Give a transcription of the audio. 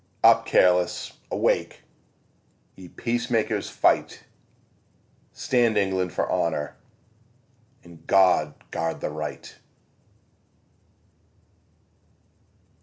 Up, careless, awake! Ye peacemakers, fight! Stand England for honour, And God guard the Right!